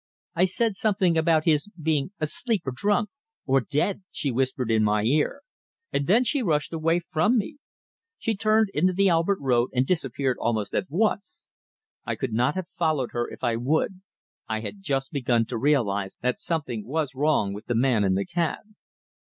I said something about his being asleep or drunk 'or dead!' she whispered in my ear, and then she rushed away from me. She turned into the Albert Road and disappeared almost at once. I could not have followed her if I would. I had just begun to realize that something was wrong with the man in the cab!"